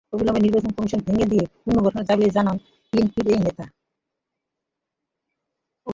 অবিলম্বে নির্বাচন কমিশন ভেঙে দিয়ে পুনর্গঠনের দাবি জানান বিএনপির এই নেতা।